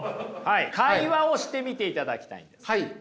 会話をしてみていただきたいんです。